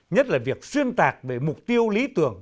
nhất là việc xuyên tạc về mục tiêu lý tưởng